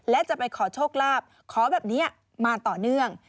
และจะไปขอโชคลาภขอแบบนี้มาต่อเนื่อง